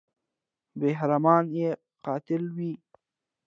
بېرحمانه یې قتلوي.